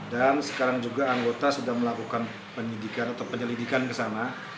dan sekarang juga anggota sudah melakukan penyelidikan ke sana